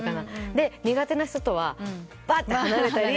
で苦手な人とはばって離れたり。